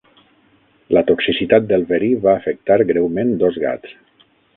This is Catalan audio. La toxicitat del verí va afectar greument dos gats.